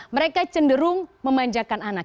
mereka cenderung memanjakan anak